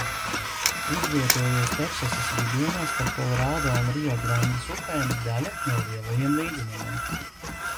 Izvietojies Teksasas vidienē starp Kolorādo un Riograndes upēm, daļa no Lielajiem līdzenumiem.